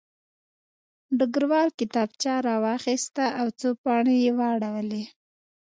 ډګروال کتابچه راواخیسته او څو پاڼې یې واړولې